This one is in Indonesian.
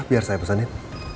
biar saya pesanin